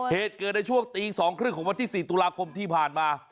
เหตุเกิดในช่วงตี๒๓๐ของวันที่๔ตุลาคมที่ผ่านมา